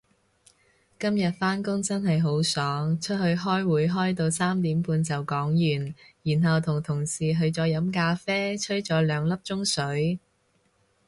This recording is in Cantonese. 今日返工真係好爽，出去開會開到三點半就講完，然後同同事去咗飲咖啡吹咗兩粒鐘水